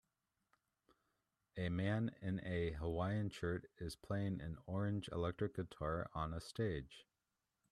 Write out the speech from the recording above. A man in a Hawaiian shirt is playing an orange electric guitar on a stage.